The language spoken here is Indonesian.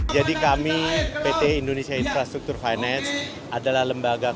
jadi kami pt indonesia infrastructure finance adalah lembaga yang berkualitas